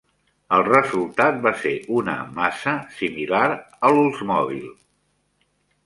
El resultat va ser una "massa" similar a l'Oldsmobile.